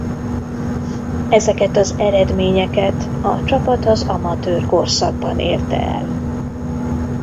Ezeket az eredményeket a csapat az amatőr korszakban érte el.